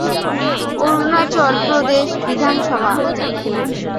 Arunachal Pradesh Vidhan Sabha